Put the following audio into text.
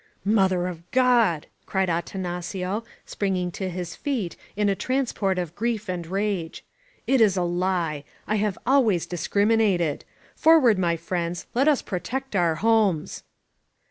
"Mother of God!" cried Atanacio, springing to his feet, in a transport of grief and rage. It is a lie! I have always discriminated! Forward, my friends! Let us protect our homes!"